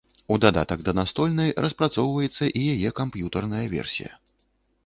У дадатак да настольнай распрацоўваецца і яе камп'ютарная версія.